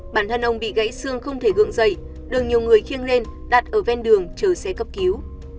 bản thân ông bị gãy xương không thể gượng dày đường nhiều người khiêng lên đặt ở ven đường chờ xe cấp cứu